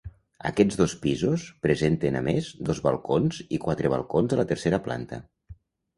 Aquests dos pisos presenten a més, dos balcons, i quatre balcons a la tercera planta.